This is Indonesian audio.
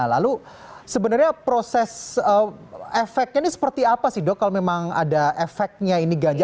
lalu sebenarnya proses efeknya ini seperti apa sih dok kalau memang ada efeknya ini ganja